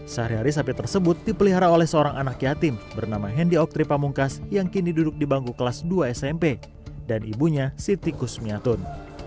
sehari hari sapi tersebut dipelihara oleh seorang anak yatim bernama hendi oktri pamungkas yang kini duduk di bangku kelas dua smp dan ibunya siti kusmiatun